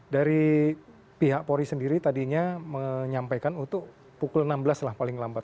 dari pihak polri sendiri tadinya menyampaikan untuk pukul enam belas lah paling lambat